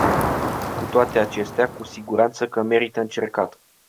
Cu toate acestea, cu siguranță că merită încercat.